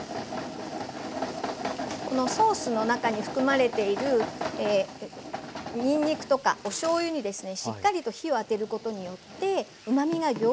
このソースの中に含まれているにんにくとかおしょうゆにしっかりと火をあてることによってうまみが凝縮されます。